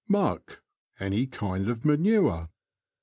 Muck. — Any kind of manure.